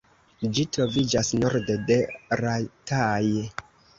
Ĝi troviĝas norde de Rataje.